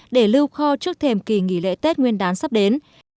để lưu kho trước thềm kỳ nghỉ lễ tết nguyên đán sắp đến